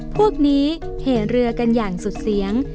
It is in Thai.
พวกนี้เหเรือกันอย่างสุดเสียง